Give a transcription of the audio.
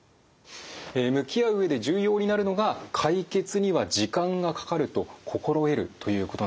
向き合う上で重要になるのが「解決には時間がかかると心得る」ということなんですけども。